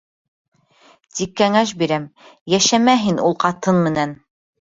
Тик кәңәш бирәм: йәшәмә һин ул ҡатын менән.